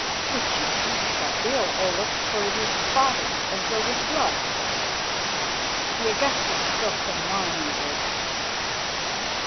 "Which you treated but ill, Olaf, for it is spotted as though with blood." "The Augustus spilt some wine over it."